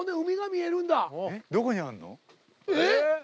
えっ！